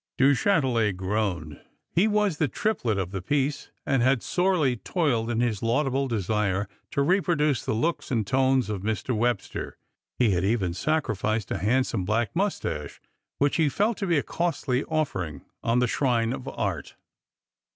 Du Chatelet groaned. He was the Triplet of the piece, and had sorely toiled in his laudable desire to reproduce the looks and tones of Mr. Webster. He had even sacrificed a handsome black moustache, which he felt to be a costly off'eriug, on the ehrine of Art.